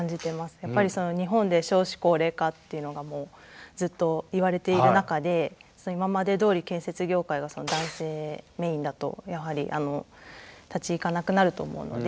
やっぱり日本で少子高齢化っていうのがもうずっと言われている中で今までどおり建設業界が男性メインだとやはり立ち行かなくなると思うので。